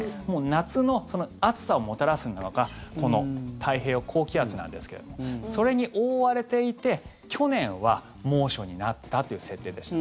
夏の暑さをもたらすのがこの太平洋高気圧なんですけどそれに覆われていて去年は猛暑になったという設定でした。